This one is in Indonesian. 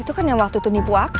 itu kan yang waktu itu nipu aku